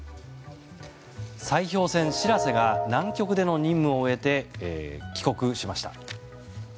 砕氷船「しらせ」が南極での任務を終えて帰国しました。